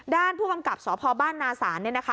ด้านผู้กำกับสพบ้านนาศาลเนี่ยนะคะ